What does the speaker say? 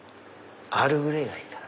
アールグレイがいいかな。